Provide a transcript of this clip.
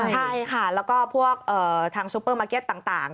ใช่ค่ะแล้วก็พวกทางซูเปอร์มาร์เก็ตต่าง